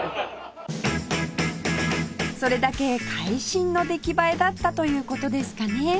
それだけ会心の出来栄えだったという事ですかね